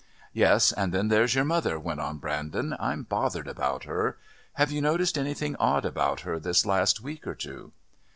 "Yes, and then there's your mother," went on Brandon. "I'm bothered about her. Have you noticed anything odd about her this last week or two?"